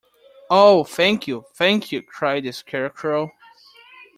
Oh, thank you — thank you! cried the Scarecrow.